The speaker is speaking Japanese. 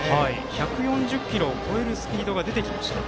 １４０キロを超えるスピードが出てきました。